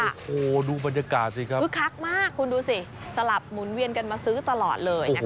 โอ้โหดูบรรยากาศสิครับคึกคักมากคุณดูสิสลับหมุนเวียนกันมาซื้อตลอดเลยนะคะ